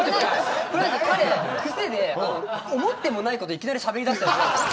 とりあえず彼クセで思ってもないこといきなりしゃべり出す時が。